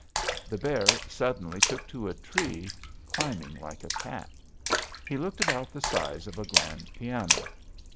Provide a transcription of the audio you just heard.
The bear suddenly took to a tree, climbing like a cat. He looked about the size of a grand piano.